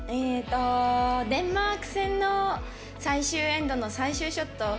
デンマーク戦の最終エンドの最終ショット。